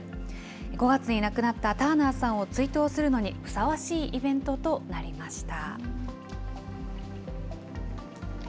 ５月に亡くなったターナーさんを追悼するのにふさわしいイベントとなりました。